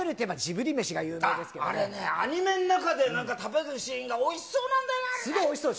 ジブリっていえば、あれね、アニメの中で食べるシーンがおいしそうなんだよ、あれね。